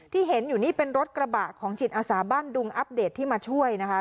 ที่เห็นอยู่นี่เป็นรถกระบะของจิตอาสาบ้านดุงอัปเดตที่มาช่วยนะคะ